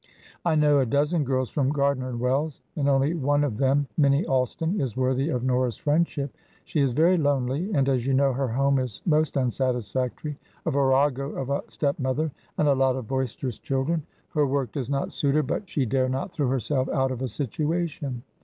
I know a dozen girls from Gardiner & Wells', and only one of them, Minnie Alston, is worthy of Nora's friendship. She is very lonely, and, as you know, her home is most unsatisfactory a virago of a step mother, and a lot of boisterous children. Her work does not suit her, but she dare not throw herself out of a situation."